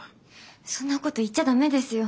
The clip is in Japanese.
そんなこと言っちゃダメですよ。